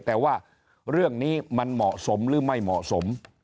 แต่ว่าเรื่องนี้มันเหมาะสมหรือไม่เหมาะสม